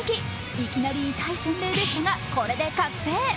いきなり痛い洗礼でしたが、これで覚醒！